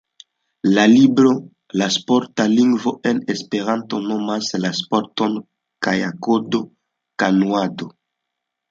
La libro "La sporta lingvo en Esperanto" nomas la sporton kajakado-kanuado.